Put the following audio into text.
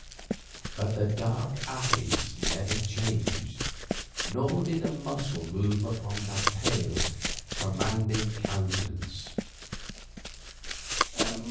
But the dark eyes never changed, nor did a muscle move upon that pale, commanding countenance.